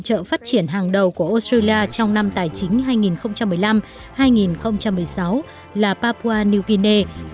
hỗ trợ phát triển hàng đầu của australia trong năm tài chính hai nghìn một mươi năm hai nghìn một mươi sáu là papua new guinea